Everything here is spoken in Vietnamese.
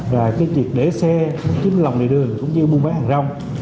và cái việc để xe trên lòng đầy đường cũng như buôn váy hàng rong